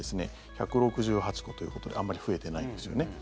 １６８個ということであんまり増えてないんですよね。